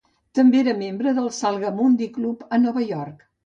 També era membre del Salmagundi Club a Nova York.